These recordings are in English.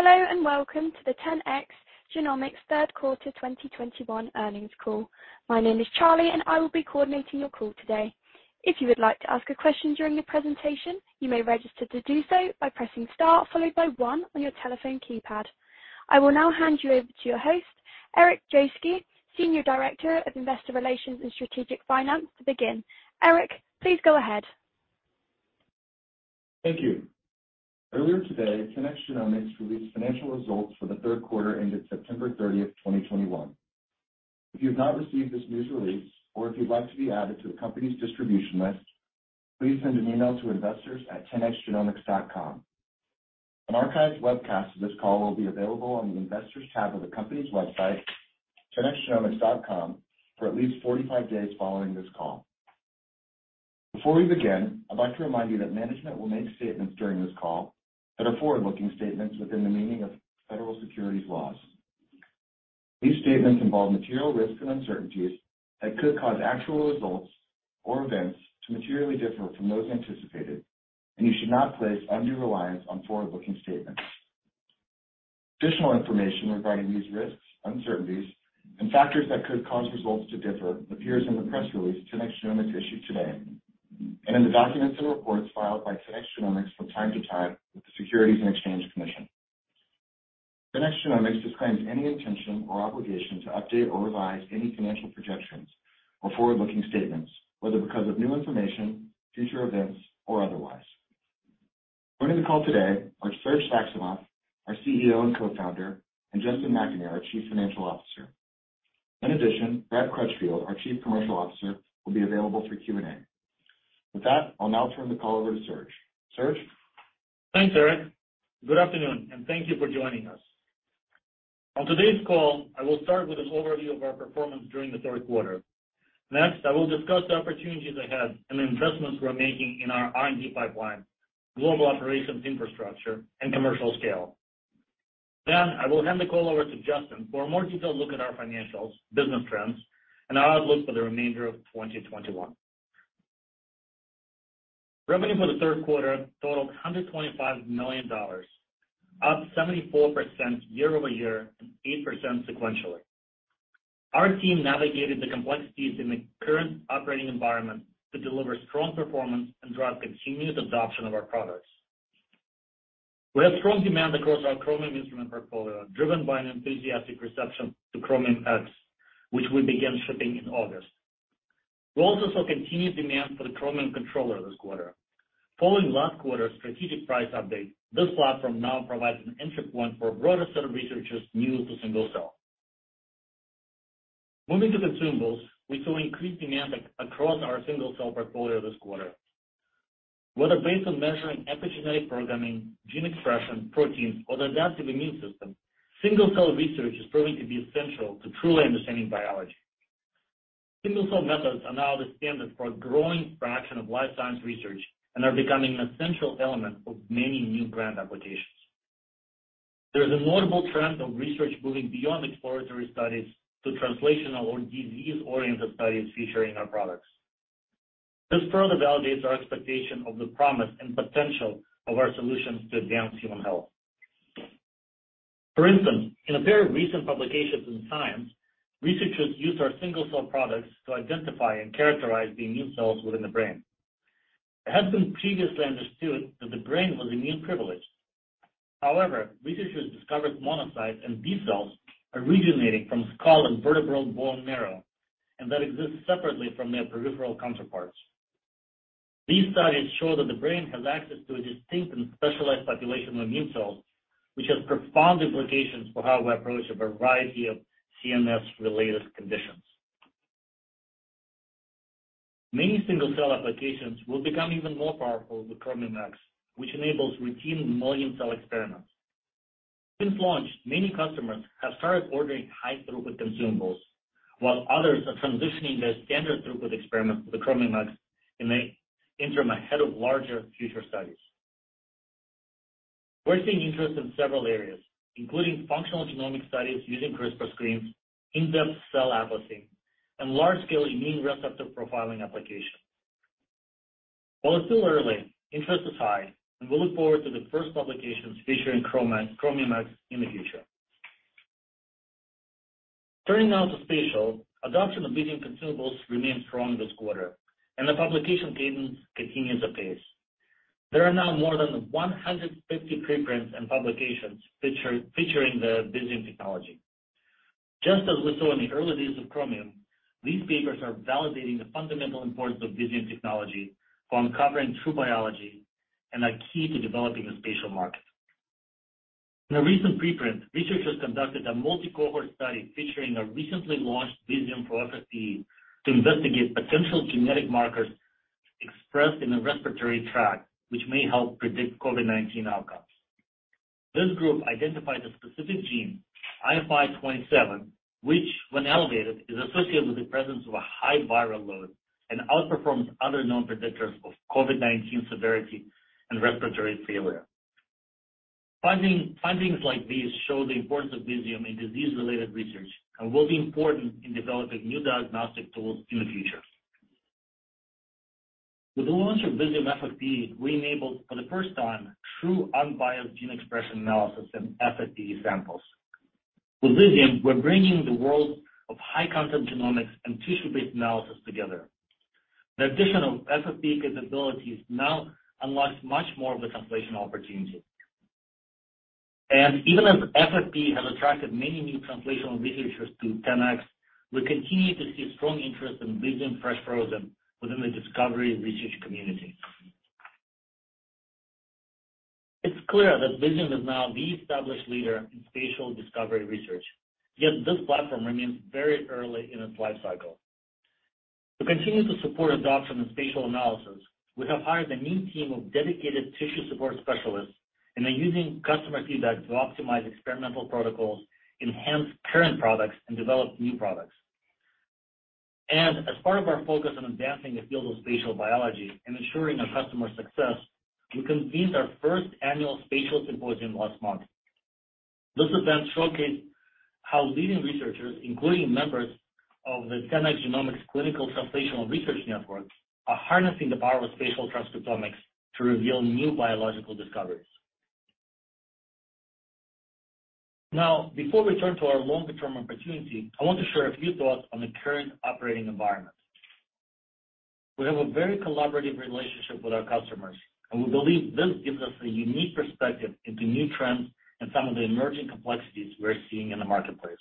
Hello, and welcome to the 10x Genomics third quarter 2021 earnings call. My name is Charlie, and I will be coordinating your call today. If you would like to ask a question during the presentation, you may register to do so by pressing star followed by 1 on your telephone keypad. I will now hand you over to your host, Eric Jaschke, Senior Director of Investor Relations & Strategic Finance, to begin. Eric, please go ahead. Thank you. Earlier today, 10x Genomics released financial results for the third quarter ended September 30, 2021. If you have not received this news release or if you'd like to be added to the company's distribution list, please send an email to investors@10xgenomics.com. An archived webcast of this call will be available on the Investors tab of the company's website, 10xgenomics.com, for at least 45 days following this call. Before we begin, I'd like to remind you that management will make statements during this call that are forward-looking statements within the meaning of federal securities laws. These statements involve material risks and uncertainties that could cause actual results or events to materially differ from those anticipated, and you should not place undue reliance on forward-looking statements. Additional information regarding these risks, uncertainties, and factors that could cause results to differ appears in the press release 10x Genomics issued today and in the documents and reports filed by 10x Genomics from time to time with the Securities and Exchange Commission. 10x Genomics disclaims any intention or obligation to update or revise any financial projections or forward-looking statements, whether because of new information, future events, or otherwise. Joining the call today are Serge Saxonov, our CEO and Co-Founder, and Justin McAnear, our Chief Financial Officer. In addition, Brad Crutchfield, our Chief Commercial Officer, will be available for Q&A. With that, I'll now turn the call over to Serge. Serge? Thanks, Eric. Good afternoon, and thank you for joining us. On today's call, I will start with an overview of our performance during the third quarter. Next, I will discuss the opportunities ahead and the investments we're making in our R&D pipeline, global operations infrastructure, and commercial scale. I will hand the call over to Justin for a more detailed look at our financials, business trends, and our outlook for the remainder of 2021. Revenue for the third quarter totaled $125 million, up 74% year-over-year and 8% sequentially. Our team navigated the complexities in the current operating environment to deliver strong performance and drive continuous adoption of our products. We had strong demand across our Chromium instrument portfolio, driven by an enthusiastic reception to Chromium X, which we began shipping in August. We also saw continued demand for the Chromium Controller this quarter. Following last quarter's strategic price update, this platform now provides an entry point for a broader set of researchers new to single-cell. Moving to consumables, we saw increased demand across our single-cell portfolio this quarter. Whether based on measuring epigenetic programming, gene expression, proteins, or the adaptive immune system, single-cell research is proving to be essential to truly understanding biology. Single-cell methods are now the standard for a growing fraction of life science research and are becoming an essential element of many new branded applications. There is a notable trend of research moving beyond exploratory studies to translational or disease-oriented studies featuring our products. This further validates our expectation of the promise and potential of our solutions to advance human health. For instance, in a pair of recent publications in Science, researchers used our single-cell products to identify and characterize the immune cells within the brain. It had been previously understood that the brain was immune privileged. However, researchers discovered monocytes and B cells originating from skull and vertebral bone marrow, and that exist separately from their peripheral counterparts. These studies show that the brain has access to a distinct and specialized population of immune cells, which has profound implications for how we approach a variety of CNS-related conditions. Many single-cell applications will become even more powerful with Chromium X, which enables routine million-cell experiments. Since launch, many customers have started ordering high throughput consumables, while others are transitioning their standard throughput experiments to the Chromium X in the interim ahead of larger future studies. We're seeing interest in several areas, including functional genomic studies using CRISPR screens, in-depth cell atlasing, and large-scale immune receptor profiling applications. While it's still early, interest is high, and we look forward to the first publications featuring Chromium X in the future. Turning now to spatial, adoption of Visium consumables remains strong this quarter, and the publication cadence continues apace. There are now more than 150 preprints and publications featuring the Visium technology. Just as we saw in the early days of Chromium, these papers are validating the fundamental importance of Visium technology for uncovering true biology and are key to developing a spatial market. In a recent preprint, researchers conducted a multi-cohort study featuring a recently launched Visium FFPE to investigate potential genetic markers expressed in the respiratory tract, which may help predict COVID-19 outcomes. This group identified a specific gene, IFI27, which, when elevated, is associated with the presence of a high viral load and outperforms other known predictors of COVID-19 severity and respiratory failure. Findings like these show the importance of Visium in disease-related research and will be important in developing new diagnostic tools in the future. With the launch of Visium FFPE, we enabled for the first time true unbiased gene expression analysis in FFPE samples. With Visium, we're bringing the world of high-content genomics and tissue-based analysis together. The addition of FFPE capabilities now unlocks much more of a translation opportunity. Even as FFPE has attracted many new translational researchers to 10x, we continue to see strong interest in Visium Fresh Frozen within the discovery research community. It's clear that Visium is now the established leader in spatial discovery research, yet this platform remains very early in its life cycle. To continue to support adoption and spatial analysis, we have hired a new team of dedicated tissue support specialists, and they're using customer feedback to optimize experimental protocols, enhance current products, and develop new products. As part of our focus on advancing the field of spatial biology and ensuring our customer success, we convened our first annual spatial symposium last month. This event showcased how leading researchers, including members of the 10x Genomics Clinical Translational Research Network, are harnessing the power of spatial transcriptomics to reveal new biological discoveries. Now, before we turn to our long-term opportunity, I want to share a few thoughts on the current operating environment. We have a very collaborative relationship with our customers, and we believe this gives us a unique perspective into new trends and some of the emerging complexities we're seeing in the marketplace.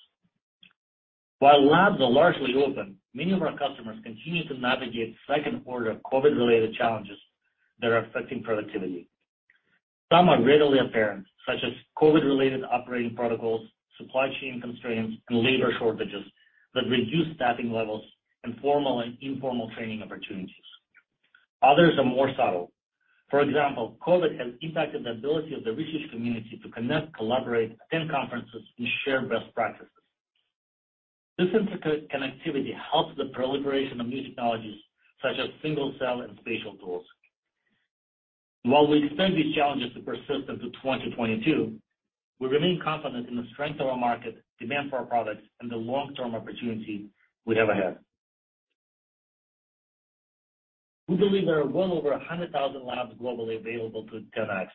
While labs are largely open, many of our customers continue to navigate second-order of COVID-related challenges that are affecting productivity. Some are readily apparent, such as COVID-related operating protocols, supply chain constraints, and labor shortages that reduce staffing levels and formal and informal training opportunities. Others are more subtle. For example, COVID has impacted the ability of the research community to connect, collaborate, attend conferences, and share best practices. This intricate connectivity helps the proliferation of new technologies such as single-cell and spatial tools. While we expect these challenges to persist into 2022, we remain confident in the strength of our market, demand for our products, and the long-term opportunity we have ahead. We believe there are well over 100,000 labs globally available to 10x,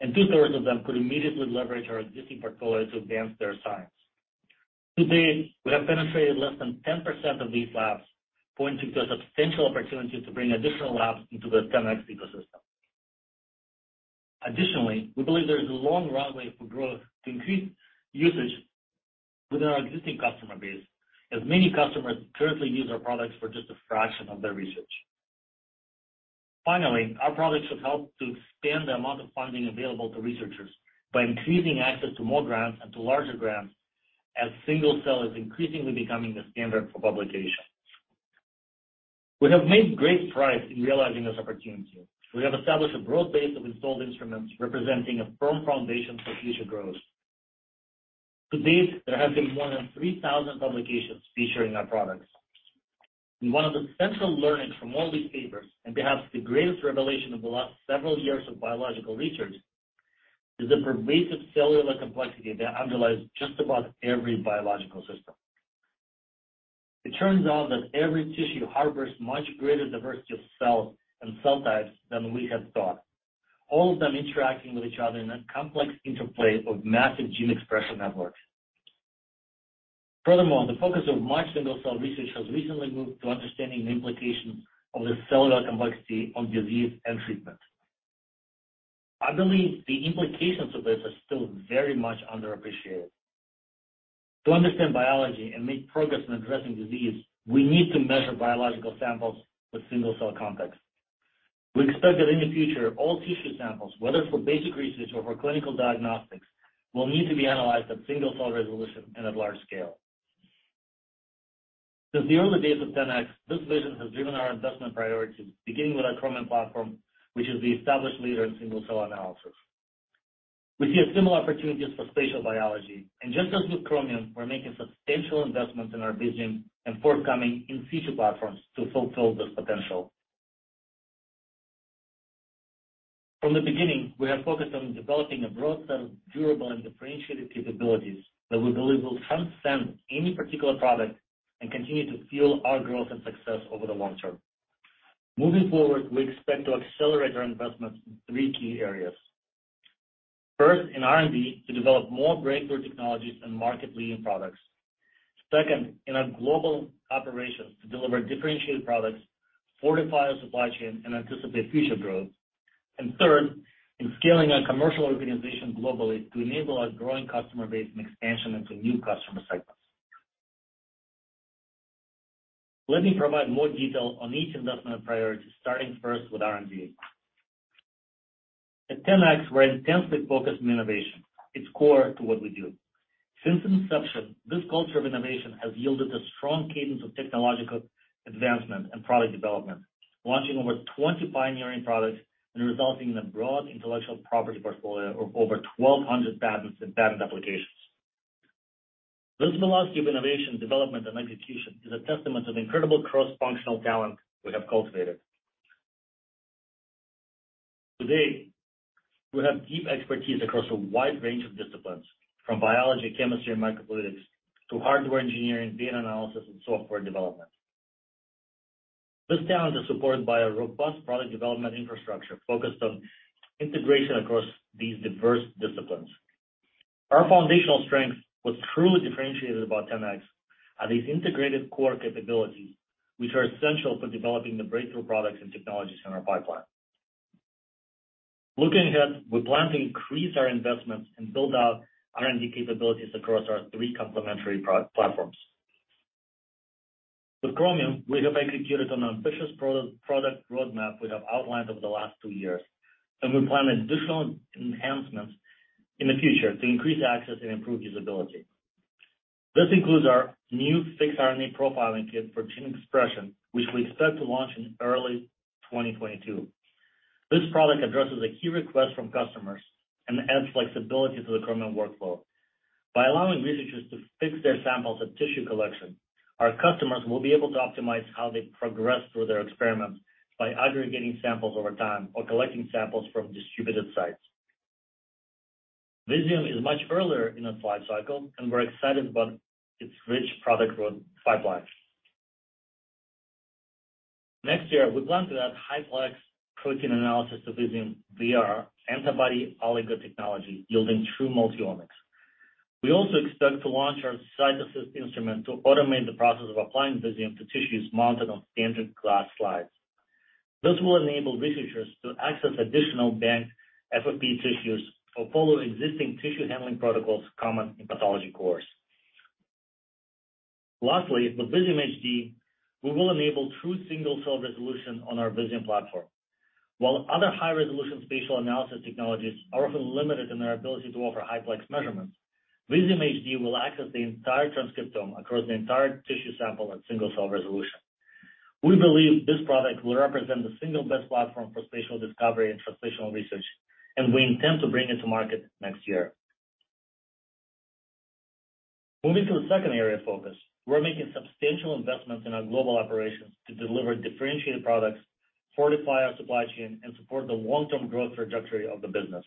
and two-thirds of them could immediately leverage our existing portfolio to advance their science. To date, we have penetrated less than 10% of these labs, pointing to a substantial opportunity to bring additional labs into the 10x ecosystem. Additionally, we believe there is a long runway for growth to increase usage within our existing customer base, as many customers currently use our products for just a fraction of their research. Finally, our products should help to expand the amount of funding available to researchers by increasing access to more grants and to larger grants as single-cell is increasingly becoming the standard for publication. We have made great strides in realizing this opportunity. We have established a broad base of installed instruments representing a firm foundation for future growth. To date, there have been more than 3,000 publications featuring our products. One of the central learnings from all these papers, and perhaps the greatest revelation of the last several years of biological research, is the pervasive cellular complexity that underlies just about every biological system. It turns out that every tissue harbors much greater diversity of cells and cell types than we had thought, all of them interacting with each other in a complex interplay of massive gene expression networks. Furthermore, the focus of much single-cell research has recently moved to understanding the implication of the cellular complexity on disease and treatment. I believe the implications of this are still very much underappreciated. To understand biology and make progress in addressing disease, we need to measure biological samples with single-cell complexity. We expect that in the future, all tissue samples, whether for basic research or for clinical diagnostics, will need to be analyzed at single-cell resolution and at large scale. Since the early days of 10x, this vision has driven our investment priorities, beginning with our Chromium platform, which is the established leader in single-cell analysis. We see a similar opportunity for spatial biology, and just as with Chromium, we're making substantial investments in our Visium and forthcoming in situ platforms to fulfill this potential. From the beginning, we have focused on developing a broad set of durable and differentiated capabilities that we believe will transcend any particular product and continue to fuel our growth and success over the long term. Moving forward, we expect to accelerate our investments in three key areas. First, in R&D to develop more breakthrough technologies and market-leading products. Second, in our global operations to deliver differentiated products, fortify our supply chain, and anticipate future growth. Third, in scaling our commercial organization globally to enable our growing customer base and expansion into new customer segments. Let me provide more detail on each investment priority, starting first with R&D. At 10x, we're intensely focused on innovation. It's core to what we do. Since inception, this culture of innovation has yielded a strong cadence of technological advancement and product development, launching over 20 pioneering products and resulting in a broad intellectual property portfolio of over 1,200 patents and patent applications. This philosophy of innovation, development, and execution is a testament of incredible cross-functional talent we have cultivated. Today, we have deep expertise across a wide range of disciplines, from biology, chemistry, and microfluidics to hardware engineering, data analysis, and software development. This talent is supported by a robust product development infrastructure focused on integration across these diverse disciplines. Our foundational strength, what's truly differentiated about 10x, are these integrated core capabilities which are essential for developing the breakthrough products and technologies in our pipeline. Looking ahead, we plan to increase our investments and build out R&D capabilities across our three complementary product platforms. With Chromium, we have executed an ambitious product roadmap we have outlined over the last two years, and we plan additional enhancements in the future to increase access and improve usability. This includes our new Fixed RNA Profiling Kit for gene expression, which we expect to launch in early 2022. This product addresses a key request from customers and adds flexibility to the Chromium workflow. By allowing researchers to fix their samples at tissue collection, our customers will be able to optimize how they progress through their experiments by aggregating samples over time or collecting samples from distributed sites. Visium is much earlier in its life cycle, and we're excited about its rich product roadmap. Next year, we plan to add high plex protein analysis to Visium via our antibody oligo technology, yielding true multi-omics. We also expect to launch our CytAssist instrument to automate the process of applying Visium to tissues mounted on standard glass slides. This will enable researchers to access additional banked FFPE tissues or follow existing tissue handling protocols common in pathology cores. Lastly, with Visium HD, we will enable true single-cell resolution on our Visium platform. While other high-resolution spatial analysis technologies are often limited in their ability to offer high plex measurements, Visium HD will access the entire transcriptome across the entire tissue sample at single-cell resolution. We believe this product will represent the single best platform for spatial discovery and translational research, and we intend to bring it to market next year. Moving to the second area of focus, we're making substantial investments in our global operations to deliver differentiated products, fortify our supply chain, and support the long-term growth trajectory of the business.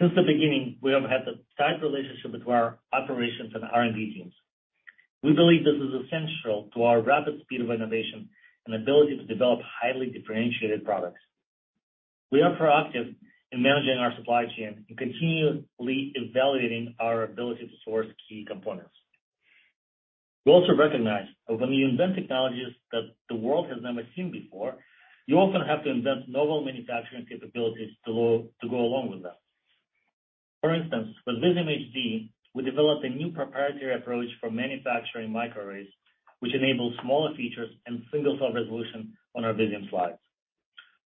Since the beginning, we have had a tight relationship between our operations and R&D teams. We believe this is essential to our rapid speed of innovation and ability to develop highly differentiated products. We are proactive in managing our supply chain and continuously evaluating our ability to source key components. We also recognize that when you invent technologies that the world has never seen before, you often have to invent novel manufacturing capabilities to go along with that. For instance, with Visium HD, we developed a new proprietary approach for manufacturing microarrays, which enables smaller features and single-cell resolution on our Visium slides.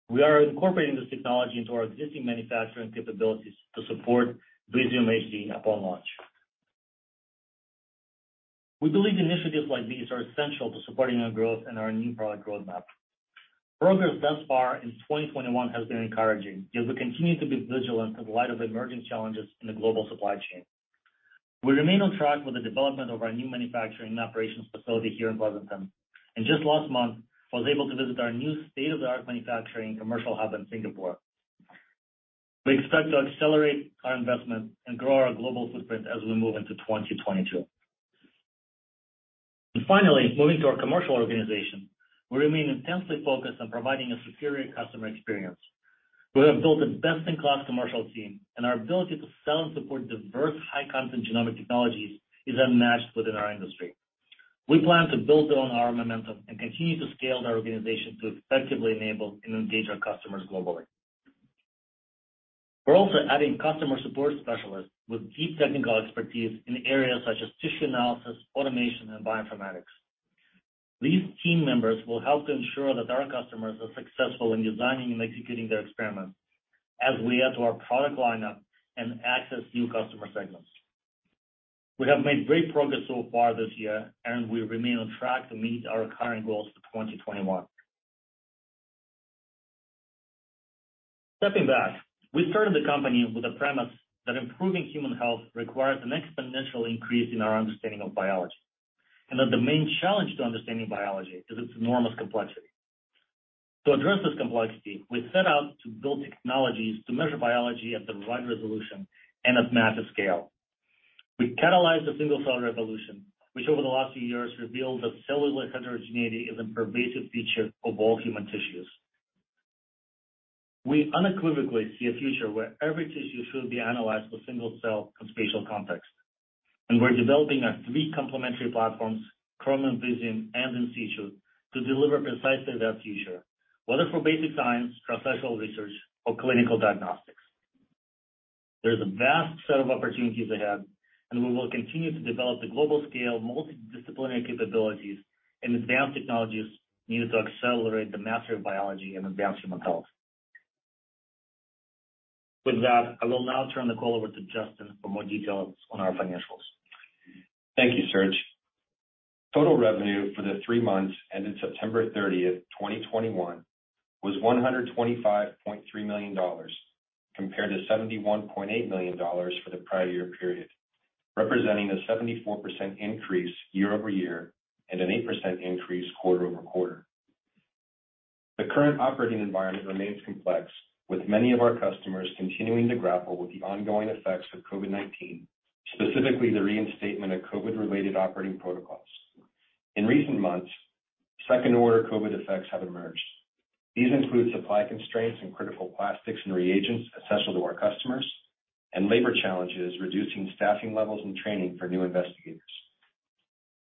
We are incorporating this technology into our existing manufacturing capabilities to support Visium HD upon launch. We believe initiatives like these are essential to supporting our growth and our new product roadmap. Progress thus far in 2021 has been encouraging, yet we continue to be vigilant in light of emerging challenges in the global supply chain. We remain on track with the development of our new manufacturing operations facility here in Burlington, and just last month, I was able to visit our new state-of-the-art manufacturing commercial hub in Singapore. We expect to accelerate our investment and grow our global footprint as we move into 2022. Finally, moving to our commercial organization, we remain intensely focused on providing a superior customer experience. We have built a best-in-class commercial team, and our ability to sell and support diverse high-content genomic technologies is unmatched within our industry. We plan to build on our momentum and continue to scale our organization to effectively enable and engage our customers globally. We're also adding customer support specialists with deep technical expertise in areas such as tissue analysis, automation, and bioinformatics. These team members will help to ensure that our customers are successful in designing and executing their experiments as we add to our product lineup and access new customer segments. We have made great progress so far this year, and we remain on track to meet our current goals for 2021. Stepping back, we started the company with the premise that improving human health requires an exponential increase in our understanding of biology, and that the main challenge to understanding biology is its enormous complexity. To address this complexity, we set out to build technologies to measure biology at the right resolution and at massive scale. We've catalyzed the single-cell revolution, which over the last few years revealed that cellular heterogeneity is a pervasive feature of all human tissues. We unequivocally see a future where every tissue should be analyzed with single cell and spatial context, and we're developing our three complementary platforms, Chromium, Visium, and In Situ, to deliver precisely that future, whether for basic science, translational research, or clinical diagnostics. There's a vast set of opportunities ahead, and we will continue to develop the global scale, multidisciplinary capabilities and advanced technologies needed to accelerate the mastery of biology and advance human health. With that, I will now turn the call over to Justin for more details on our financials. Thank you, Serge. Total revenue for the three months ending September 30, 2021 was $125.3 million. Compared to $71.8 million for the prior year period, representing a 74% increase year-over-year and an 8% increase quarter-over-quarter. The current operating environment remains complex, with many of our customers continuing to grapple with the ongoing effects of COVID-19, specifically the reinstatement of COVID-related operating protocols. In recent months, second-order COVID effects have emerged. These include supply constraints in critical plastics and reagents essential to our customers and labor challenges, reducing staffing levels and training for new investigators.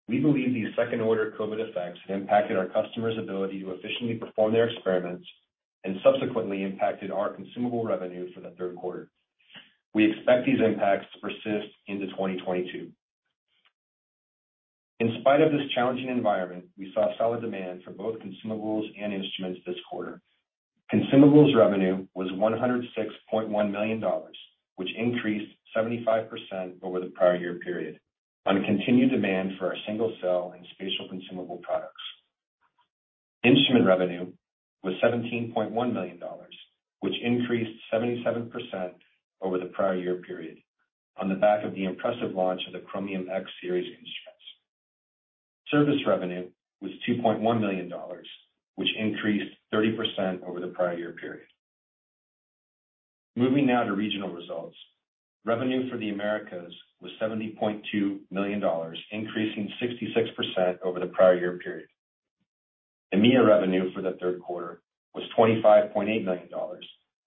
We believe these second-order COVID effects have impacted our customers' ability to efficiently perform their experiments and subsequently impacted our consumable revenue for the third quarter. We expect these impacts to persist into 2022. In spite of this challenging environment, we saw solid demand for both consumables and instruments this quarter. Consumables revenue was $106.1 million, which increased 75% over the prior year period on continued demand for our single cell and spatial consumable products. Instrument revenue was $17.1 million, which increased 77% over the prior year period on the back of the impressive launch of the Chromium X Series instruments. Service revenue was $2.1 million, which increased 30% over the prior year period. Moving now to regional results. Revenue for the Americas was $70.2 million, increasing 66% over the prior year period. EMEA revenue for the third quarter was $25.8 million,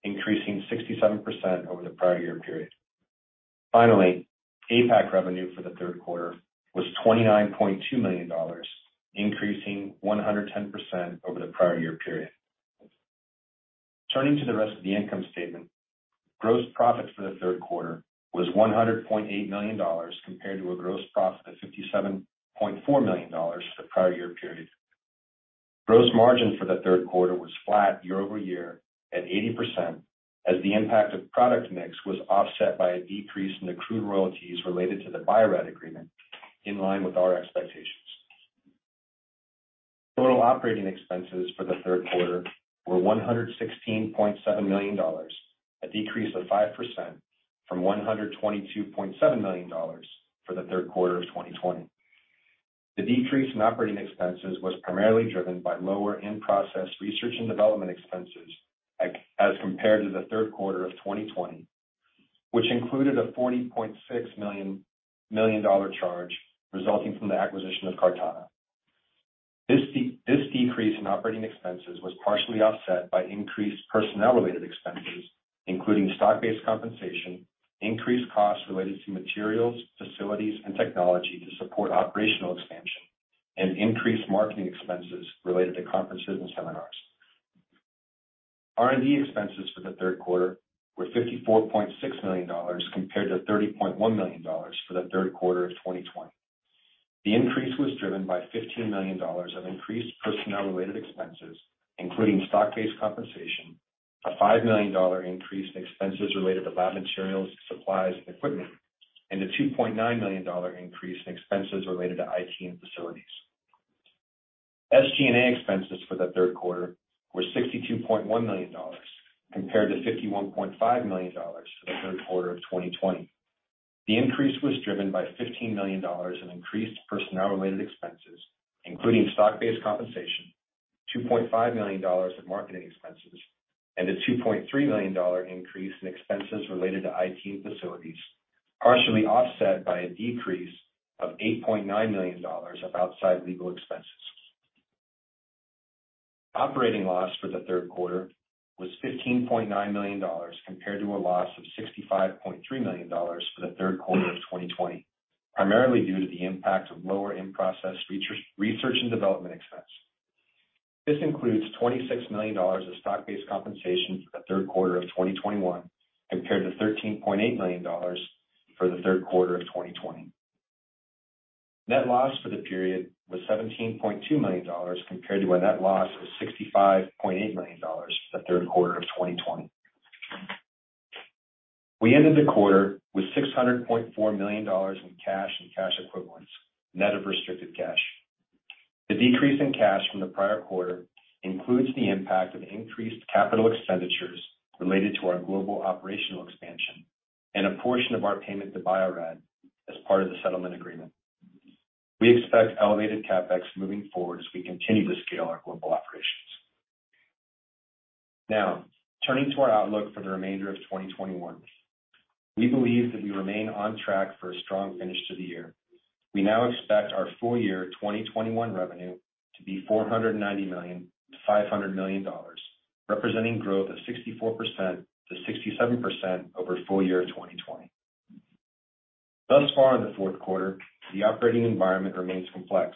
increasing 67% over the prior year period. Finally, APAC revenue for the third quarter was $29.2 million, increasing 110% over the prior year period. Turning to the rest of the income statement. Gross profit for the third quarter was $100.8 million, compared to a gross profit of $57.4 million for the prior year period. Gross margin for the third quarter was flat year-over-year at 80% as the impact of product mix was offset by a decrease in accrued royalties related to the Bio-Rad agreement in line with our expectations. Total operating expenses for the third quarter were $116.7 million, a decrease of 5% from $122.7 million for the third quarter of 2020. The decrease in operating expenses was primarily driven by lower in-process research and development expenses as compared to the third quarter of 2020, which included a $40.6 million charge resulting from the acquisition of CartaNA. This decrease in operating expenses was partially offset by increased personnel-related expenses, including stock-based compensation, increased costs related to materials, facilities, and technology to support operational expansion, and increased marketing expenses related to conferences and seminars. R&D expenses for the third quarter were $54.6 million, compared to $30.1 million for the third quarter of 2020. The increase was driven by $15 million of increased personnel-related expenses, including stock-based compensation, a $5 million increase in expenses related to lab materials, supplies and equipment, and a $2.9 million increase in expenses related to IT and facilities. SG&A expenses for the third quarter were $62.1 million compared to $51.5 million for the third quarter of 2020. The increase was driven by $15 million in increased personnel-related expenses, including stock-based compensation, $2.5 million of marketing expenses, and a $2.3 million dollar increase in expenses related to IT and facilities, partially offset by a decrease of $8.9 million dollars of outside legal expenses. Operating loss for the third quarter was $15.9 million compared to a loss of $65.3 million for the third quarter of 2020, primarily due to the impact of lower in-process research and development expense. This includes $26 million of stock-based compensation for the third quarter of 2021 compared to $13.8 million for the third quarter of 2020. Net loss for the period was $17.2 million compared to a net loss of $65.8 million for the third quarter of 2020. We ended the quarter with $600.4 million in cash and cash equivalents, net of restricted cash. The decrease in cash from the prior quarter includes the impact of increased capital expenditures related to our global operational expansion and a portion of our payment to Bio-Rad as part of the settlement agreement. We expect elevated CapEx moving forward as we continue to scale our global operations. Now, turning to our outlook for the remainder of 2021. We believe that we remain on track for a strong finish to the year. We now expect our full year 2021 revenue to be $490 million-$500 million, representing 64%-67% growth over full year 2020. Thus far in the fourth quarter, the operating environment remains complex.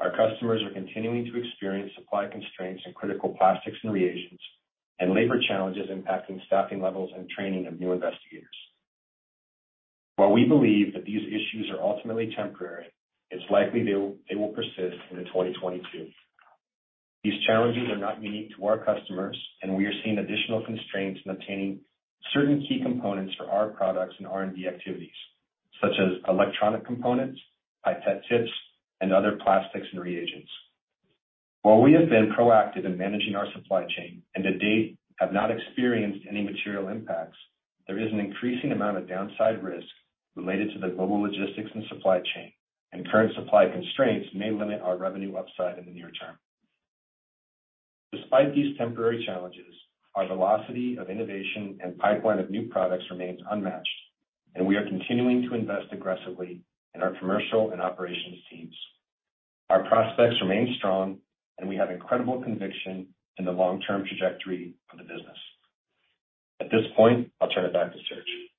Our customers are continuing to experience supply constraints in critical plastics and reagents and labor challenges impacting staffing levels and training of new investigators. While we believe that these issues are ultimately temporary, it's likely they will persist into 2022. These challenges are not unique to our customers, and we are seeing additional constraints in obtaining certain key components for our products and R&D activities, such as electronic components, pipette tips, and other plastics and reagents. While we have been proactive in managing our supply chain and to date have not experienced any material impacts, there is an increasing amount of downside risk related to the global logistics and supply chain, and current supply constraints may limit our revenue upside in the near term. Despite these temporary challenges, our velocity of innovation and pipeline of new products remains unmatched, and we are continuing to invest aggressively in our commercial and operations teams. Our prospects remain strong, and we have incredible conviction in the long-term trajectory of the business. At this point, I'll turn it back to Serge.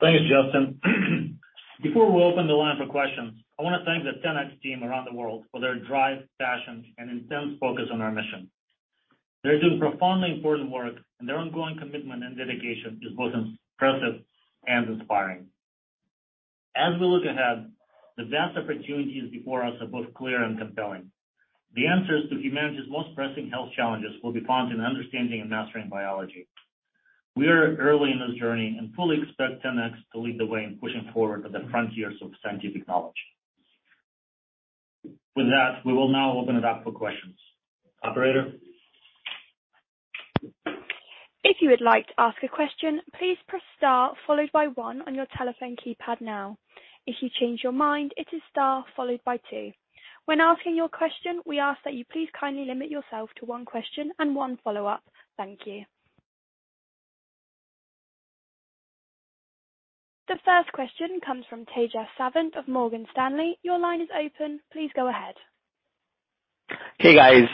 Thanks, Justin. Before we open the line for questions, I wanna thank the 10x team around the world for their drive, passion, and intense focus on our mission. They're doing profoundly important work, and their ongoing commitment and dedication is both impressive and inspiring. As we look ahead, the vast opportunities before us are both clear and compelling. The answers to humanity's most pressing health challenges will be found in understanding and mastering biology. We are early in this journey and fully expect 10x to lead the way in pushing forward at the frontiers of scientific knowledge. With that, we will now open it up for questions. Operator? If you would like to ask a question, please press star followed by one on your telephone keypad now. If you change your mind, it is star followed by two. When asking your question, we ask that you please kindly limit yourself to one question and one follow-up. Thank you. The first question comes from Tejas Savant of Morgan Stanley. Your line is open. Please go ahead. Hey, guys,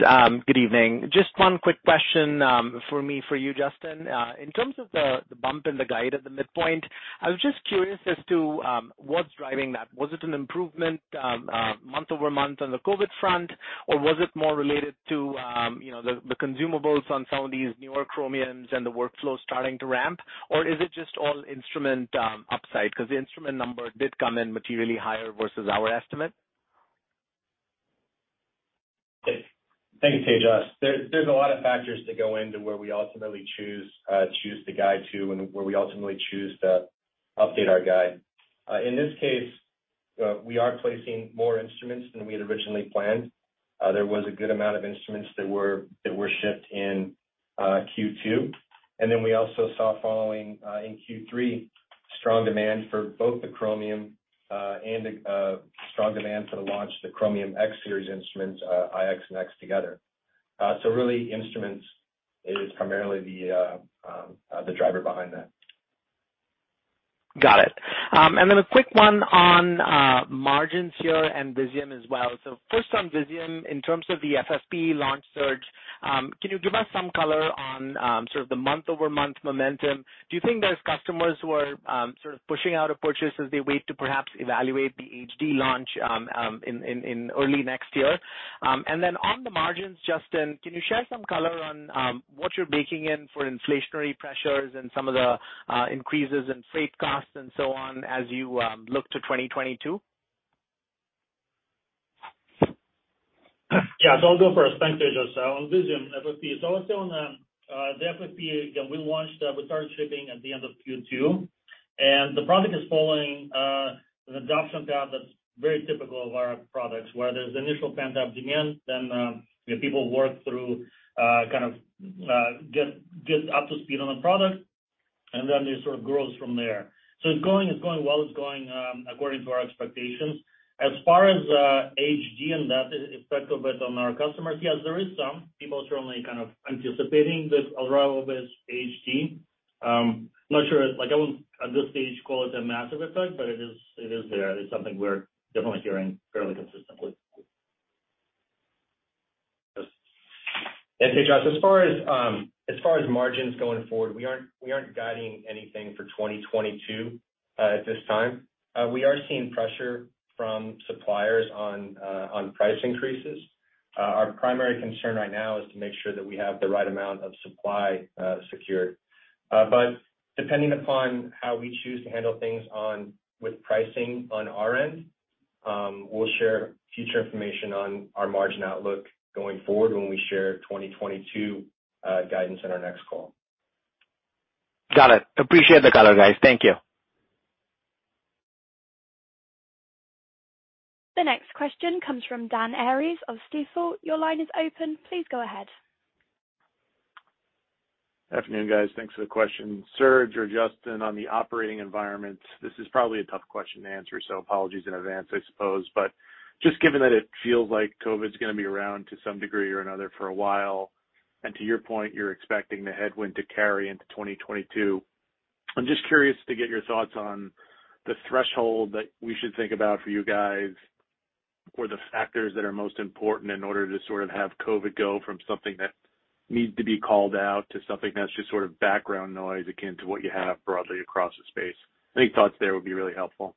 good evening. Just one quick question from me for you, Justin. In terms of the bump in the guide at the midpoint, I was just curious as to what's driving that. Was it an improvement month-over-month on the COVID front? Or was it more related to you know the consumables on some of these newer Chromiums and the workflows starting to ramp? Or is it just all instrument upside 'cause the instrument number did come in materially higher versus our estimate? Thanks, Tejas. There's a lot of factors that go into where we ultimately choose to guide to and where we ultimately choose to update our guide. In this case, we are placing more instruments than we had originally planned. There was a good amount of instruments that were shipped in Q2. We also saw in Q3 strong demand for both the Chromium and strong demand for the launch of the Chromium X Series instruments, iX and X together. Really instruments is primarily the driver behind that. Got it. And then a quick one on margins here and Visium as well. First on Visium, in terms of the FFPE launch, Serge, can you give us some color on sort of the month-over-month momentum? Do you think there's customers who are sort of pushing out a purchase as they wait to perhaps evaluate the HD launch in early next year? And then on the margins, Justin, can you share some color on what you're baking in for inflationary pressures and some of the increases in freight costs and so on as you look to 2022? I'll go first. Thanks, Tejas. On Visium FFPE, I would say on the FFPE, again, we launched, we started shipping at the end of Q2, and the product is following an adoption path that's very typical of our products, where there's initial pent-up demand, then, you know, people work through kind of get up to speed on the product, and then it sort of grows from there. It's going well. It's going according to our expectations. As far as HD and the effect of it on our customers, yes, there is some. People certainly kind of anticipating the arrival of this HD. I'm not sure, like, I wouldn't at this stage call it a massive effect, but it is there. It is something we're definitely hearing fairly consistently. Yeah, Tejas, as far as margins going forward, we aren't guiding anything for 2022 at this time. We are seeing pressure from suppliers on price increases. Our primary concern right now is to make sure that we have the right amount of supply secured. Depending upon how we choose to handle things on with pricing on our end, we'll share future information on our margin outlook going forward when we share 2022 guidance in our next call. Got it. Appreciate the color, guys. Thank you. The next question comes from Dan Arias of Stifel. Your line is open. Please go ahead. Afternoon, guys. Thanks for the question. Serge or Justin, on the operating environment, this is probably a tough question to answer, so apologies in advance, I suppose. Just given that it feels like COVID's gonna be around to some degree or another for a while, and to your point, you're expecting the headwind to carry into 2022, I'm just curious to get your thoughts on the threshold that we should think about for you guys or the factors that are most important in order to sort of have COVID go from something that needs to be called out to something that's just sort of background noise akin to what you have broadly across the space. Any thoughts there would be really helpful.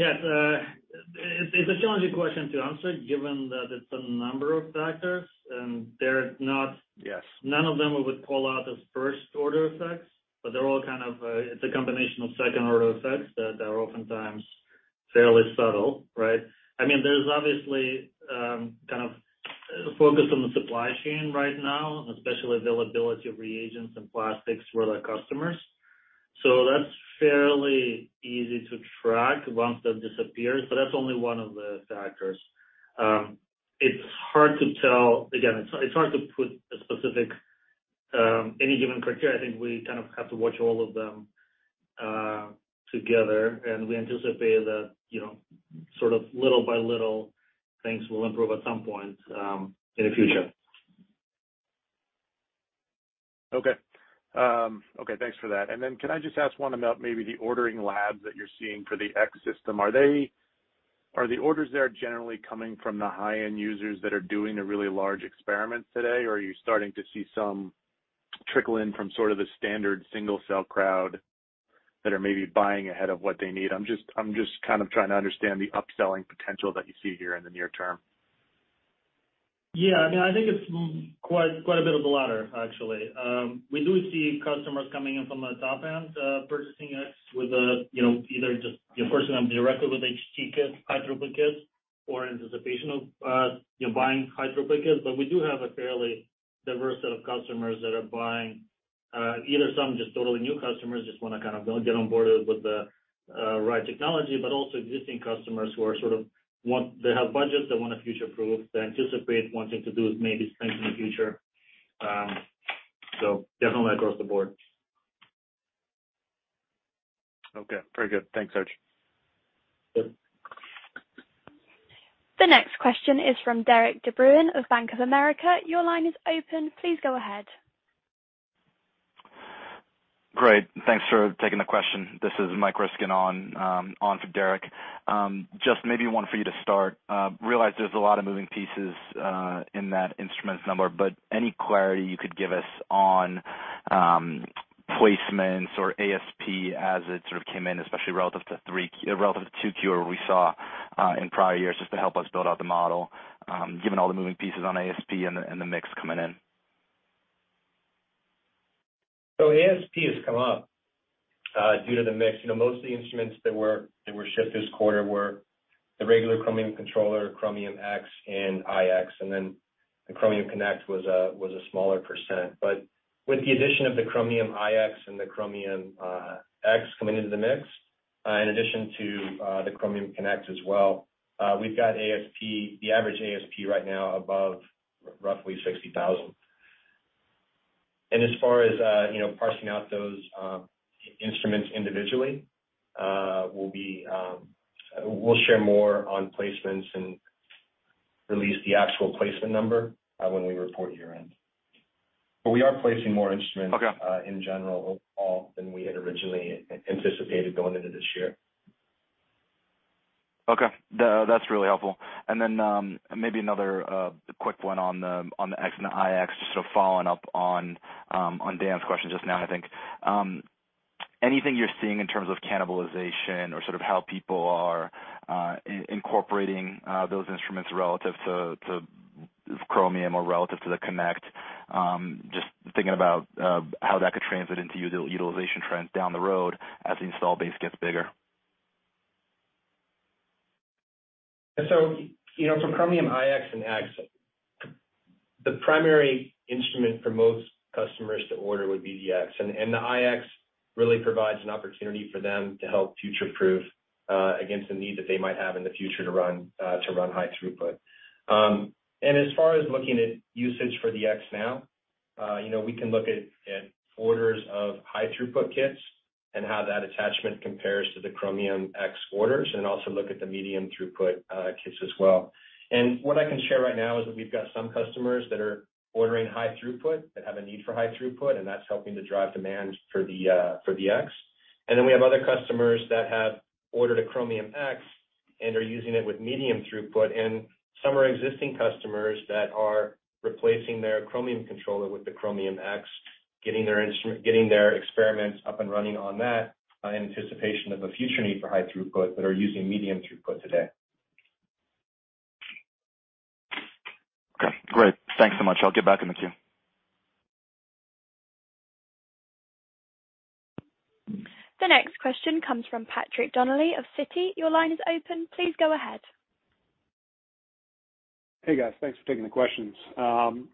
Yeah, it's a challenging question to answer given that it's a number of factors and they're not. Yes. None of them I would call out as first order effects, but they're all kind of, it's a combination of second order effects that are oftentimes fairly subtle, right? I mean, there's obviously, kind of focus on the supply chain right now, especially availability of reagents and plastics for our customers. That's fairly easy to track once that disappears, but that's only one of the factors. It's hard to tell. Again, it's hard to put a specific any given criteria. I think we kind of have to watch all of them together, and we anticipate that, you know, sort of little by little things will improve at some point in the future. Okay, thanks for that. Can I just ask one about maybe the ordering labs that you're seeing for the X system? Are the orders there generally coming from the high-end users that are doing the really large experiments today, or are you starting to see some trickle in from sort of the standard single-cell crowd that are maybe buying ahead of what they need? I'm just kind of trying to understand the upselling potential that you see here in the near term. Yeah. I mean, I think it's quite a bit of the latter, actually. We do see customers coming in from a top end, purchasing X with a, you know, either just, you know, purchasing them directly with HT kits, high throughput kits or anticipation of, you know, buying high throughput kits. We do have a fairly diverse set of customers that are buying, either some just totally new customers just wanna kind of go get on board with the, right technology, but also existing customers who are sort of want. They have budgets, they want to future-proof. They anticipate wanting to do maybe things in the future. Definitely across the board. Okay. Very good. Thanks, Serge. Yep. The next question is from Derik De Bruin of Bank of America. Your line is open. Please go ahead. Great. Thanks for taking the question. This is Michael Ryskin on for Derik De Bruin. Just maybe one for you to start. I realize there's a lot of moving pieces in that instruments number, but any clarity you could give us on placements or ASP as it sort of came in, especially relative to 2Q we saw in prior years, just to help us build out the model, given all the moving pieces on ASP and the mix coming in. ASP has come up due to the mix. Most of the instruments that were shipped this quarter were the regular Chromium Controller, Chromium X and iX, and then the Chromium Connect was a smaller percent. With the addition of the Chromium iX and the Chromium X coming into the mix, in addition to the Chromium Connect as well, we've got ASP, the average ASP right now above roughly $60,000. As far as parsing out those instruments individually, we'll share more on placements and release the actual placement number when we report year-end. We are placing more instruments. Okay. in general overall than we had originally anticipated going into this year. That's really helpful. Maybe another quick one on the X and the iX, just sort of following up on Dan's question just now, I think. Anything you're seeing in terms of cannibalization or sort of how people are incorporating those instruments relative to Chromium or relative to the Connect? Just thinking about how that could translate into utilization trends down the road as the install base gets bigger. You know, from Chromium iX and X, the primary instrument for most customers to order would be the X. The iX really provides an opportunity for them to help future-proof against the need that they might have in the future to run high throughput. As far as looking at usage for the X now, you know, we can look at orders of high throughput kits and how that attachment compares to the Chromium X orders, and also look at the medium throughput kits as well. What I can share right now is that we've got some customers that are ordering high throughput, that have a need for high throughput, and that's helping to drive demand for the X. We have other customers that have ordered a Chromium X and are using it with medium throughput. Some are existing customers that are replacing their Chromium Controller with the Chromium X, getting their experiments up and running on that in anticipation of a future need for high throughput, but are using medium throughput today. Okay, great. Thanks so much. I'll get back in the queue. The next question comes from Patrick Donnelly of Citi. Your line is open. Please go ahead. Hey, guys. Thanks for taking the questions.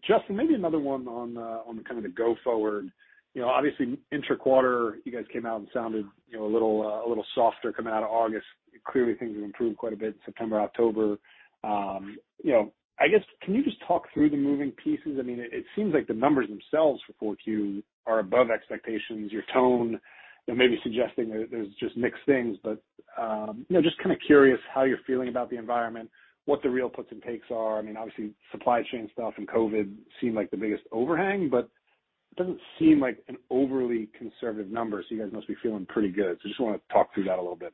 Justin, maybe another one on the kind of the go forward. You know, obviously intra-quarter, you guys came out and sounded, you know, a little softer coming out of August. Clearly, things have improved quite a bit in September, October. You know, I guess, can you just talk through the moving pieces? I mean, it seems like the numbers themselves for Q4 are above expectations. Your tone, you know, maybe suggesting that there's just mixed things. You know, just kind of curious how you're feeling about the environment, what the real puts and takes are. I mean, obviously, supply chain stuff and COVID seem like the biggest overhang, but it doesn't seem like an overly conservative number, so you guys must be feeling pretty good. I just wanna talk through that a little bit.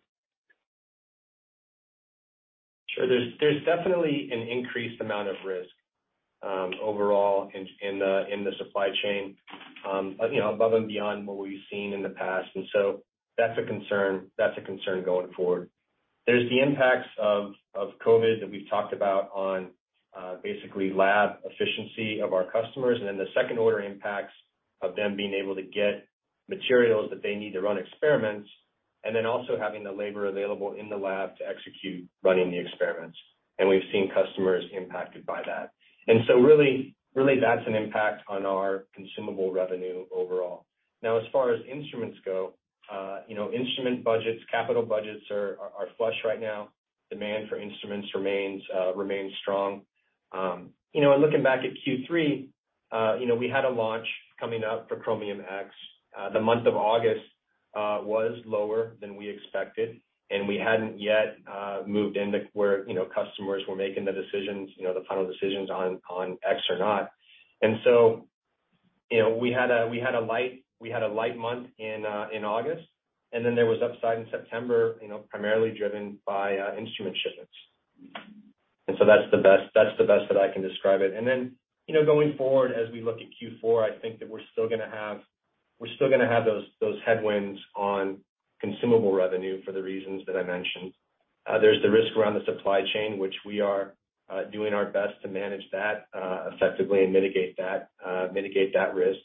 Sure. There's definitely an increased amount of risk overall in the supply chain, you know, above and beyond what we've seen in the past, and so that's a concern going forward. There's the impacts of COVID that we've talked about on basically lab efficiency of our customers, and then the second order impacts of them being able to get materials that they need to run experiments and then also having the labor available in the lab to execute running the experiments, and we've seen customers impacted by that. Really that's an impact on our consumable revenue overall. Now, as far as instruments go, you know, instrument budgets, capital budgets are flush right now. Demand for instruments remains strong. You know, looking back at Q3, you know, we had a launch coming up for Chromium X. The month of August was lower than we expected, and we hadn't yet moved into where, you know, customers were making the decisions, you know, the final decisions on X or not. You know, we had a light month in August, and then there was upside in September, you know, primarily driven by instrument shipments. That's the best that I can describe it. You know, going forward, as we look at Q4, I think that we're still gonna have those headwinds on consumable revenue for the reasons that I mentioned. There's the risk around the supply chain, which we are doing our best to manage that effectively and mitigate that risk.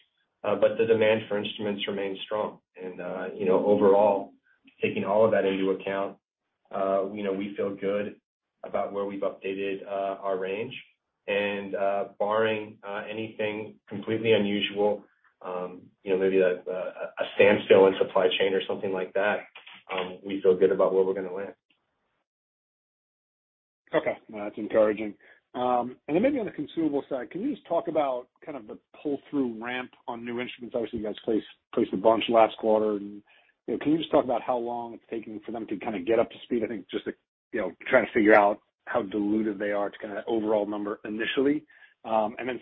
The demand for instruments remains strong. You know, overall, taking all of that into account, you know, we feel good about where we've updated our range. Barring anything completely unusual, you know, maybe a standstill in supply chain or something like that, we feel good about where we're gonna land. Okay. No, that's encouraging. Maybe on the consumable side, can you just talk about kind of the pull-through ramp on new instruments? Obviously, you guys placed a bunch last quarter. You know, can you just talk about how long it's taking for them to kinda get up to speed? I think just to, you know, trying to figure out how diluted they are to kinda the overall number initially.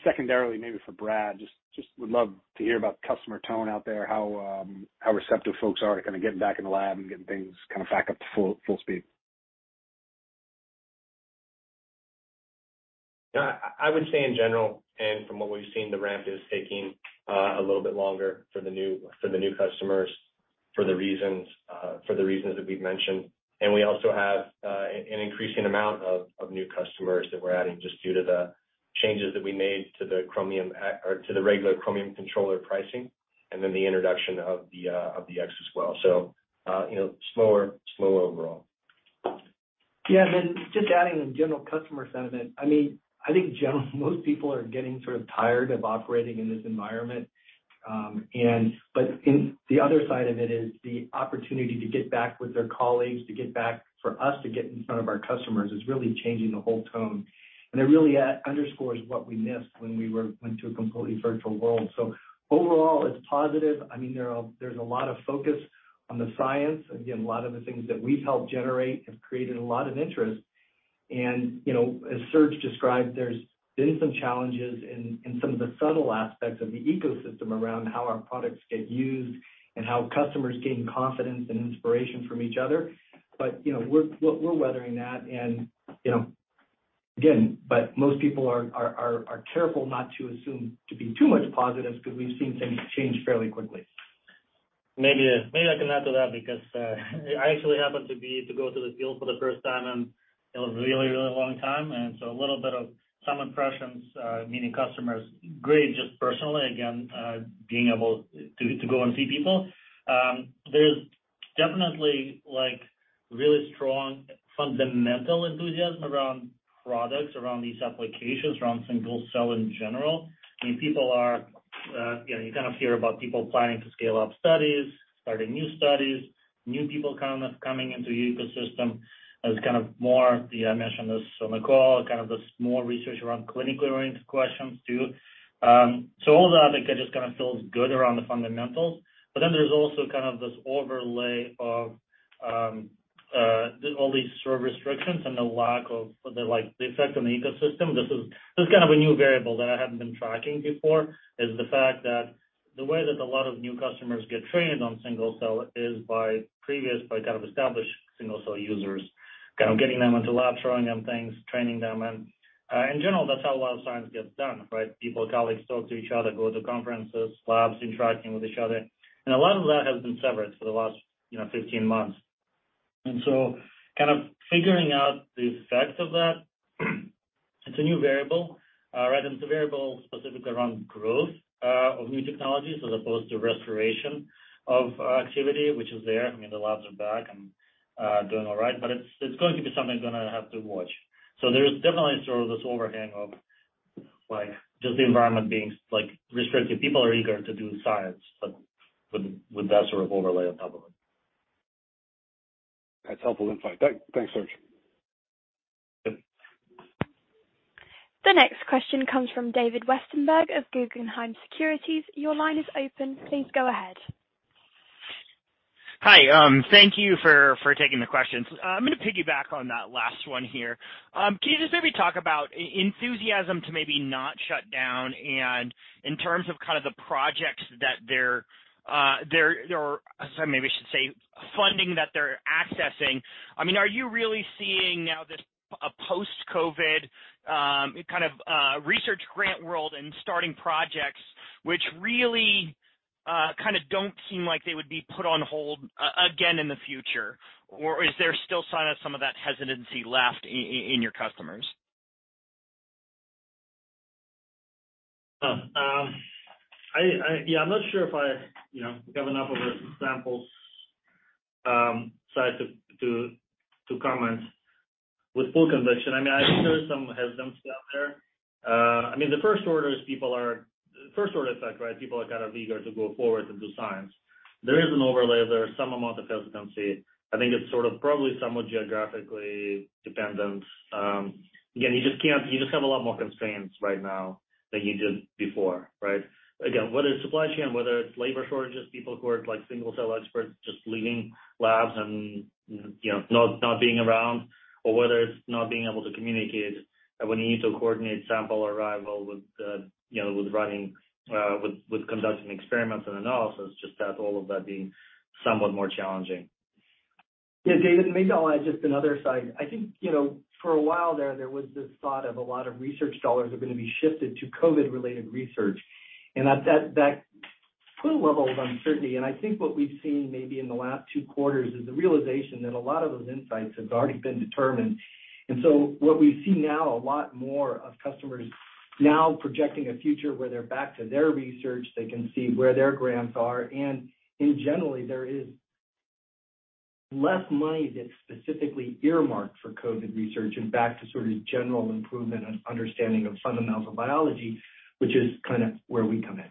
Secondarily, maybe for Brad, just would love to hear about customer tone out there, how receptive folks are to kinda getting back in the lab and getting things kind of back up to full speed. I would say in general, and from what we've seen, the ramp is taking a little bit longer for the new customers for the reasons that we've mentioned. We also have an increasing amount of new customers that we're adding just due to the changes that we made to the Chromium or to the regular Chromium Controller pricing and then the introduction of the X as well. You know, slower overall. Yeah. Then just adding on general customer sentiment, I mean, I think most people are getting sort of tired of operating in this environment. The other side of it is the opportunity to get back with their colleagues, to get back, for us to get in front of our customers is really changing the whole tone. It really underscores what we missed when we went to a completely virtual world. Overall it's positive. I mean, there's a lot of focus on the science. Again, a lot of the things that we've helped generate have created a lot of interest. You know, as Serge described, there's been some challenges in some of the subtle aspects of the ecosystem around how our products get used and how customers gain confidence and inspiration from each other. You know, we're weathering that and, you know, again, but most people are careful not to assume to be too much positive 'cause we've seen things change fairly quickly. Maybe I can add to that because I actually happen to be to go to the field for the first time in a really long time. A little bit of some impressions meeting customers, great, just personally, again, being able to go and see people. There's definitely like really strong fundamental enthusiasm around products, around these applications, around single-cell in general. I mean, people are, you know, you kind of hear about people planning to scale up studies, starting new studies, new people kind of coming into the ecosystem as kind of more. Yeah, I mentioned this on the call, kind of this more research around clinically oriented questions too. All that I think just kind of feels good around the fundamentals. There's also kind of this overlay of all these sort of restrictions and the lack of the, like, the effect on the ecosystem. This is kind of a new variable that I haven't been tracking before, is the fact that the way that a lot of new customers get trained on single-cell is by kind of established single-cell users, kind of getting them into lab, showing them things, training them. In general, that's how a lot of science gets done, right? People, colleagues talk to each other, go to conferences, labs interacting with each other. A lot of that has been severed for the last, you know, 15 months. Kind of figuring out the effect of that, it's a new variable, right? It's a variable specifically around growth of new technologies as opposed to restoration of activity, which is there. I mean, the labs are back and doing all right, but it's going to be something we're gonna have to watch. There is definitely sort of this overhang of, like, just the environment being, like, restrictive. People are eager to do science, but with that sort of overlay on top of it. That's helpful insight. Thanks, Serge. Yep. The next question comes from David Westenberg of Guggenheim Securities. Your line is open. Please go ahead. Hi. Thank you for taking the questions. I'm gonna piggyback on that last one here. Can you just maybe talk about enthusiasm to maybe not shut down and in terms of kind of the projects that they're or sorry, maybe I should say funding that they're accessing. I mean, are you really seeing now this, a post-COVID kind of research grant world and starting projects which really kind of don't seem like they would be put on hold again in the future? Or is there still sign of some of that hesitancy left in your customers? Yeah, I'm not sure if I, you know, have enough of a sample size to comment with full conviction. I mean, I think there's some hesitancy out there. I mean, first order effect, right, people are kind of eager to go forward to do science. There is an overlay, there is some amount of hesitancy. I think it's sort of probably somewhat geographically dependent. Again, you just have a lot more constraints right now than you did before, right? Again, whether it's supply chain, whether it's labor shortages, people who are like single cell experts just leaving labs and, you know, not being around or whether it's not being able to communicate when you need to coordinate sample arrival with, you know, with running, with conducting experiments and analysis, just that all of that being somewhat more challenging. Yeah, David, maybe I'll add just another side. I think, you know, for a while there was this thought that a lot of research dollars are going to be shifted to COVID-related research. That put a level of uncertainty. I think what we've seen maybe in the last two quarters is the realization that a lot of those insights have already been determined. What we see now, a lot more customers now projecting a future where they're back to their research, they can see where their grants are. In general, there is less money that's specifically earmarked for COVID research and back to sort of general improvement and understanding of fundamental biology, which is kind of where we come in.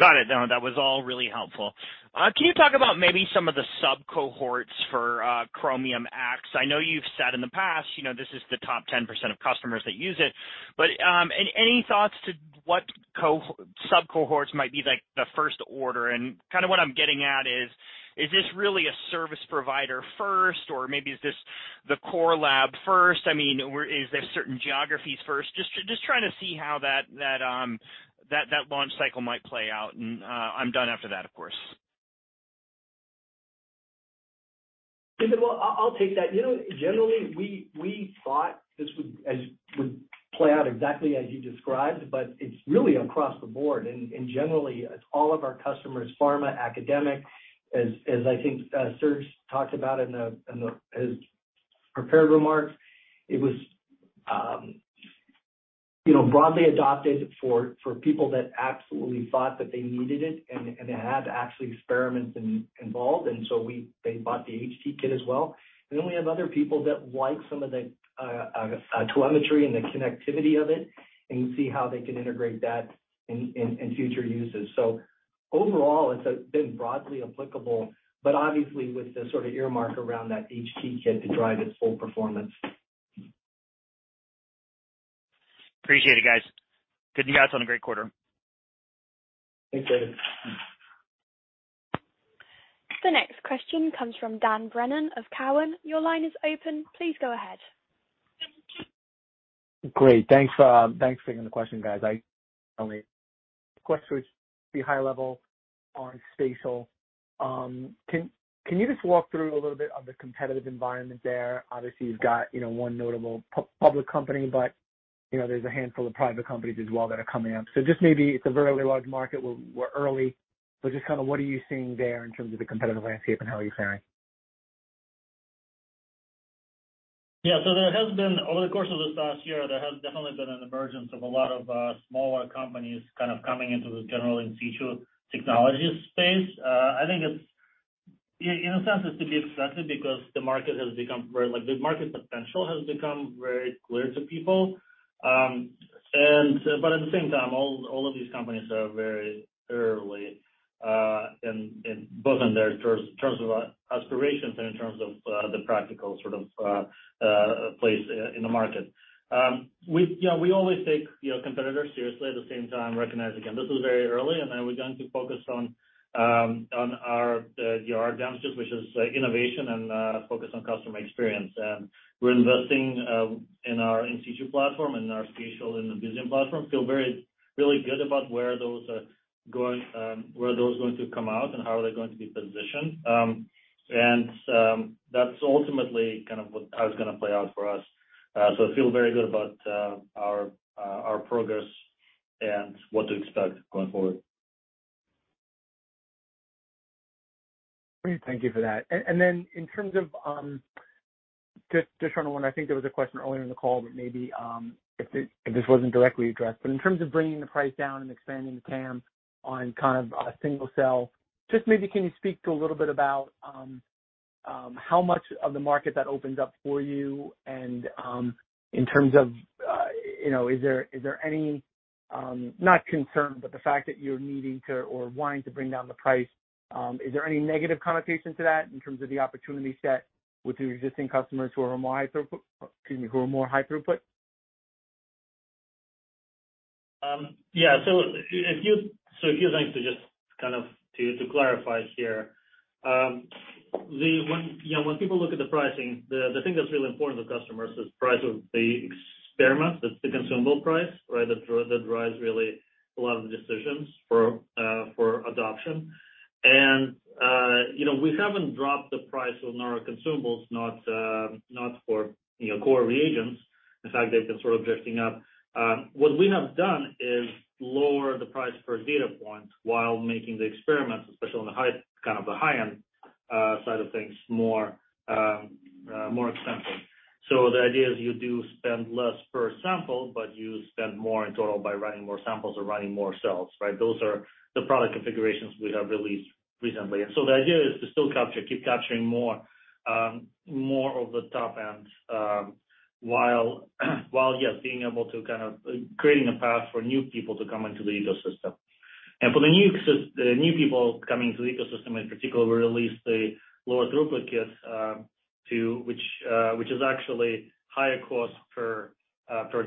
Got it. No, that was all really helpful. Can you talk about maybe some of the sub-cohorts for Chromium X? I know you've said in the past, you know, this is the top 10% of customers that use it. But any thoughts to what sub-cohorts might be like the first order? And kind of what I'm getting at is this really a service provider first or maybe is this the core lab first? I mean, is there certain geographies first? Just trying to see how that launch cycle might play out. I'm done after that, of course. Well, I'll take that. You know, generally, we thought this would play out exactly as you described, but it's really across the board. Generally, it's all of our customers, pharma, academic, as I think Serge talked about in his prepared remarks, it was, you know, broadly adopted for people that absolutely thought that they needed it and had actually experiments involved. They bought the HT-Kit as well. We have other people that like some of the telemetry and the connectivity of it, and see how they can integrate that in future uses. Overall, it's been broadly applicable, but obviously with the sort of earmark around that HT-Kit to drive its full performance. Appreciate it, guys. Congrats on a great quarter. Thanks, David. The next question comes from Dan Brennan of Cowen. Your line is open. Please go ahead. Great. Thanks for taking the question, guys. There has been over the course of this last year, there has definitely been an emergence of a lot of smaller companies kind of coming into the general in situ technologies space. I think it's in a sense, it's to be expected because the market has become very like, the market potential has become very clear to people. But at the same time, all of these companies are very early in both their terms of aspirations and in terms of the practical sort of place in the market. We you know always take you know competitors seriously. At the same time, recognize, again, this is very early, and then we're going to focus on our you know strengths, which is innovation and focus on customer experience. We're investing in our in situ platform and our spatial and the Visium platform. Feel very really good about where those are going to come out and how they are going to be positioned. That's ultimately kind of how it's gonna play out for us. I feel very good about our progress and what to expect going forward. Great. Thank you for that. In terms of just trying to remember, I think there was a question earlier in the call that maybe if this wasn't directly addressed, but in terms of bringing the price down and expanding the TAM on kind of a single cell, just maybe can you speak to a little bit about how much of the market that opens up for you and in terms of you know, is there any not concern, but the fact that you're needing to or wanting to bring down the price, is there any negative connotation to that in terms of the opportunity set with your existing customers who are more high throughput? Yeah. If you're going to just kind of to clarify here, when you know, when people look at the pricing, the thing that's really important to customers is price of the experiment, that's the consumable price, right? That drives really a lot of the decisions for adoption. You know, we haven't dropped the price on our consumables, not for core reagents. In fact, they've been sort of drifting up. What we have done is lower the price per data point while making the experiments, especially on the high kind of the high end Side of things more expensive. The idea is you do spend less per sample, but you spend more in total by running more samples or running more cells, right? Those are the product configurations we have released recently. The idea is to still keep capturing more of the top end, while yes, being able to kind of creating a path for new people to come into the ecosystem. For the new people coming to the ecosystem, in particular, we released a lower throughput kit, which is actually higher cost per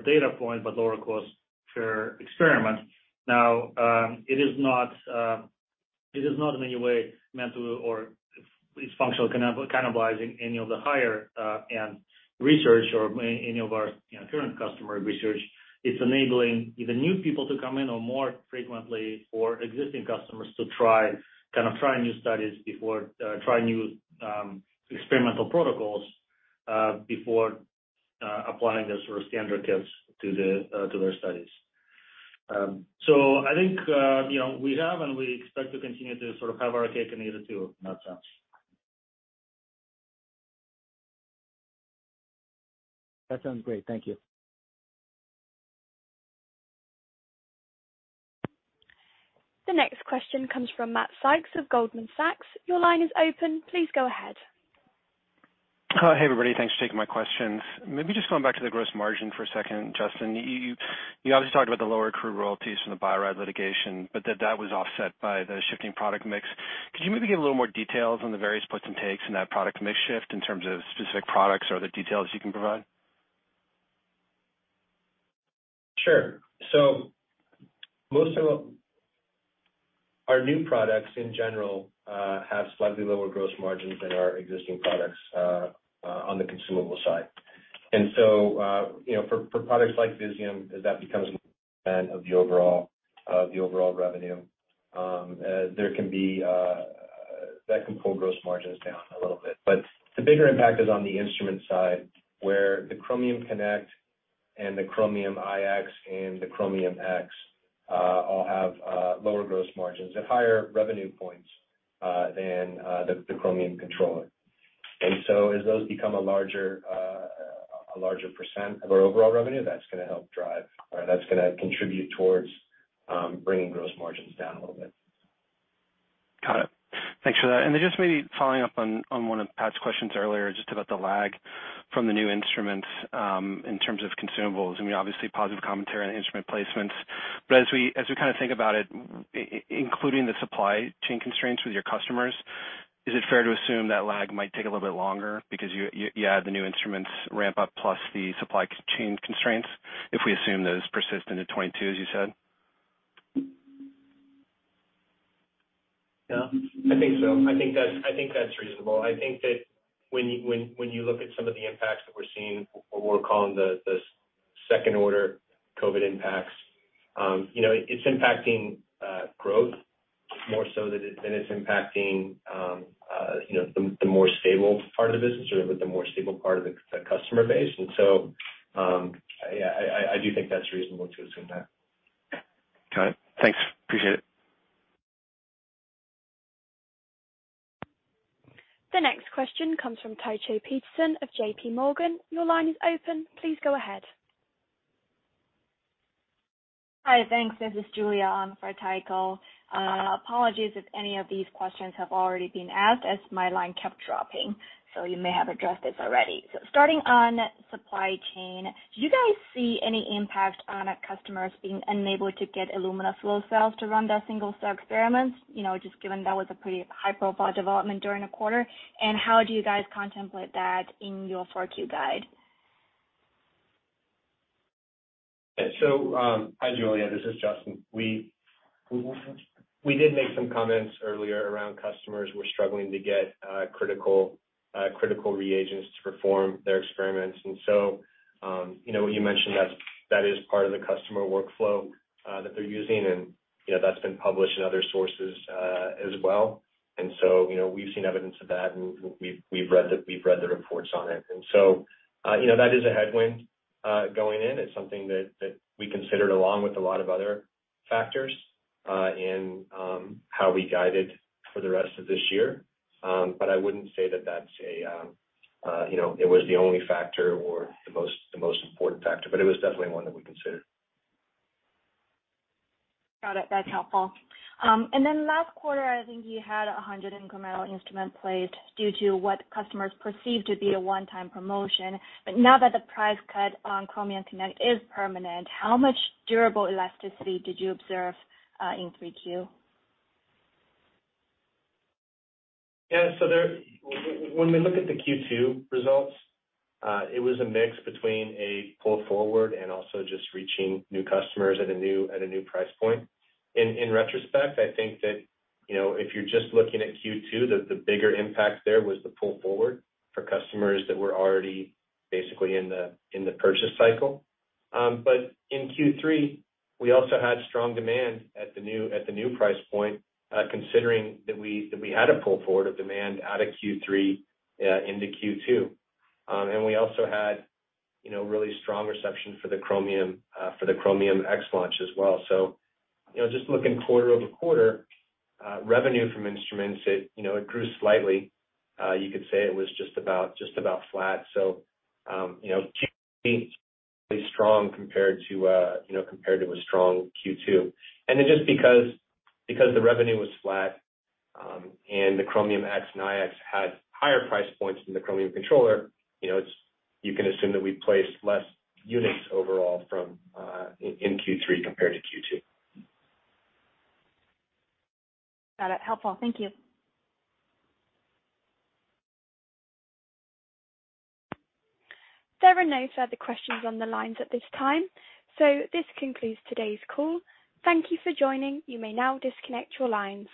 data point, but lower cost per experiment. Now, it is not in any way meant to, or it's functionally cannibalizing any of the higher-end research or any of our, you know, current customer research. It's enabling either new people to come in or more frequently for existing customers to try new studies before trying new experimental protocols before applying the sort of standard kits to their studies. I think, you know, we have and we expect to continue to sort of have our cake and eat it too in that sense. That sounds great. Thank you. The next question comes from Matt Sykes of Goldman Sachs. Your line is open. Please go ahead. Hey, everybody. Thanks for taking my questions. Maybe just going back to the gross margin for a second, Justin. You obviously talked about the lower accrued royalties from the Bio-Rad litigation, but that was offset by the shifting product mix. Could you maybe give a little more details on the various puts and takes in that product mix shift in terms of specific products or other details you can provide? Most of our new products in general have slightly lower gross margins than our existing products on the consumable side. You know, for products like Visium, as that becomes more of the overall revenue, that can pull gross margins down a little bit. The bigger impact is on the instrument side, where the Chromium Connect and the Chromium iX and the Chromium X all have lower gross margins at higher revenue points than the Chromium Controller. As those become a larger percent of our overall revenue, that's gonna help drive or that's gonna contribute towards bringing gross margins down a little bit. Got it. Thanks for that. Then just maybe following up on one of Pat's questions earlier, just about the lag from the new instruments in terms of consumables. I mean, obviously positive commentary on the instrument placements. As we kind of think about it, including the supply chain constraints with your customers, is it fair to assume that lag might take a little bit longer because you had the new instruments ramp up plus the supply chain constraints, if we assume that it's persistent in 2022, as you said? Yeah, I think so. I think that's reasonable. I think that when you look at some of the impacts that we're seeing, what we're calling the second order COVID impacts, you know, it's impacting growth more so than it's impacting, you know, the more stable part of the business or the more stable part of the customer base. I do think that's reasonable to assume that. Got it. Thanks. Appreciate it. The next question comes from Tycho Peterson of JPMorgan. Your line is open. Please go ahead. Hi. Thanks. This is Julia for Tycho. Apologies if any of these questions have already been asked as my line kept dropping, so you may have addressed this already. Starting on supply chain, do you guys see any impact on customers being unable to get Illumina flow cells to run their single cell experiments? You know, just given that was a pretty high-profile development during the quarter. How do you guys contemplate that in your 4Q guide? Hi, Julia, this is Justin. We did make some comments earlier around customers struggling to get critical reagents to perform their experiments. You know, you mentioned that is part of the customer workflow that they're using, and you know, that's been published in other sources as well. You know, we've seen evidence of that, and we've read the reports on it. You know, that is a headwind going in. It's something that we considered along with a lot of other factors in how we guided for the rest of this year. I wouldn't say that that's it was the only factor or the most important factor, but it was definitely one that we considered. Got it. That's helpful. Then last quarter, I think you had 100 incremental instruments placed due to what customers perceived to be a one-time promotion. Now that the price cut on Chromium Connect is permanent, how much durable elasticity did you observe in 3Q? Yeah. When we look at the Q2 results, it was a mix between a pull forward and also just reaching new customers at a new price point. In retrospect, I think that, you know, if you're just looking at Q2, the bigger impact there was the pull forward for customers that were already basically in the purchase cycle. In Q3, we also had strong demand at the new price point, considering that we had a pull forward of demand out of Q3 into Q2. We also had, you know, really strong reception for the Chromium X launch as well. You know, just looking quarter-over-quarter, revenue from instruments grew slightly. You could say it was just about flat. Q3 is really strong compared to a strong Q2. Because the revenue was flat, and the Chromium X and iX had higher price points than the Chromium Controller, you know, you can assume that we placed less units overall in Q3 compared to Q2. Got it. Helpful. Thank you. There are no further questions on the lines at this time. This concludes today's call. Thank you for joining. You may now disconnect your lines.